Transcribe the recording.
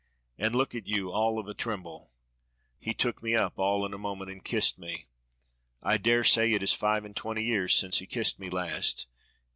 And look at you all of a tremble." "He took me up all in a moment and kissed me. I dare say it is five and twenty years since he kissed me last.